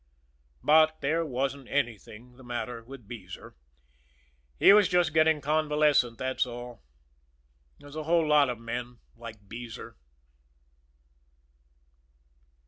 But there wasn't anything the matter with Beezer. He was just getting convalescent, that's all. There's a whole lot of men like Beezer.